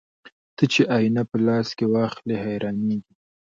ته چې آيينه په لاس کې واخلې حيرانېږې